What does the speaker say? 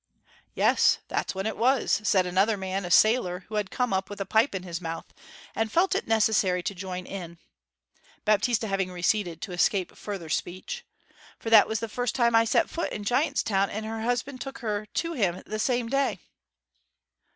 'Yes that's when it was,' said another man, a sailor, who had come up with a pipe in his mouth, and felt it necessary to join in (Baptista having receded to escape further speech). 'For that was the first time I set foot in Giant's Town; and her husband took her to him the same day.'